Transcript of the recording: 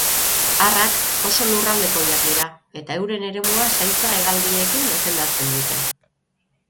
Arrak oso lurraldekoiak dira, eta euren eremua zaintza-hegaldiekin defendatzen dute.